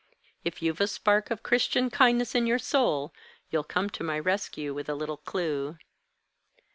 If you've a spark of Christian kindness in your soul, you'll come to my rescue with a little clue."